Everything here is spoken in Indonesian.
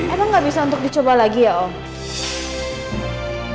emang nggak bisa untuk dicoba lagi ya om